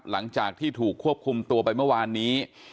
หลังจากที่ถูกควบคุมตัวไปเมื่อวานนี้